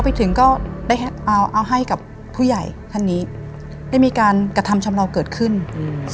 ไปถึงก็ได้เอาเอาให้กับผู้ใหญ่ท่านนี้ได้มีการกระทำชำเลาเกิดขึ้นอืม